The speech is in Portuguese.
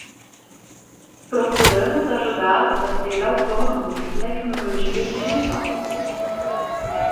Procuramos ajudá-los a ser autônomos em tecnologia digital.